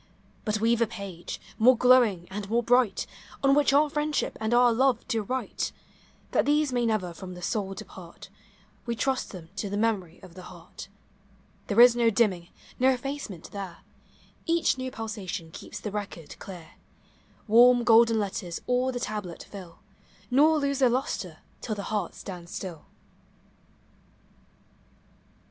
Rut we 've a page, more glowing and more bright, On which our friendship and our love to write; That these may never from the soul depart. We trust them to the memory of the heart. There is no dimming, no effacement there; Each new pulsation keeps the record clear; Warm, golden letters all the tablet fill, Nor lose their lustre till the heart stands still.